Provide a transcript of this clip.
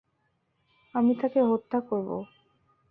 আমি তাকে হত্যা করব।